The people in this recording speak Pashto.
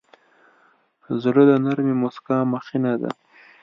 زړه د نرمې موسکا مخینه ده.